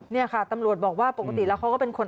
นี่ค่ะตำรวจบอกว่าปกติแล้วเขาก็เป็นคน